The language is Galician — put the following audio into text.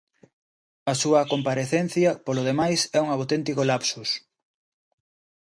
A súa comparecencia, polo demais, é un auténtico lapsus.